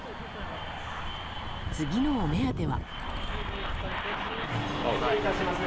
次のお目当ては。